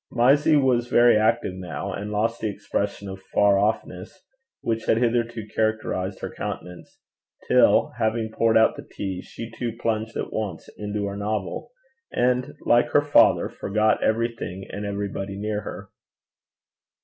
Mysie was very active now, and lost the expression of far off ness which had hitherto characterized her countenance; till, having poured out the tea, she too plunged at once into her novel, and, like her father, forgot everything and everybody near her.